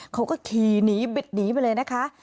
เขาก็ขี่หนีบิดหนีไปเลยนะคะ